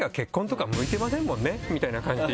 みたいな感じで。